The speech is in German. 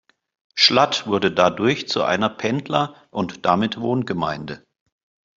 Schlatt wurde dadurch zu einer Pendler- und damit Wohngemeinde.